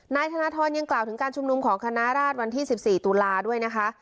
นายธนทรยังกล่าวถึงการชุมนุมของคณะราชวันที่๑๔ตุลาด้วยนะคะ